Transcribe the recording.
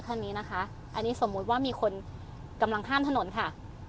ท่านนี้นะคะอันนี้สมมุติว่ามีคนกำลังข้ามถนนค่ะ